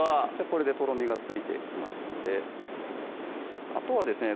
これでとろみが付いてきましたのであとはですね